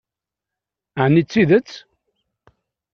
Ɛni d tidet?